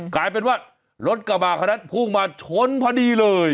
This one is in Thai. กลายเป็นว่ารถกลับมาคณะพลุงมาชนพอดีเลย